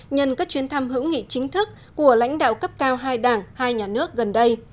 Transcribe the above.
nhân các chuyến thăm hữu nghị chính thức của lãnh đạo cấp cao hai đảng hai nhà nước gần đây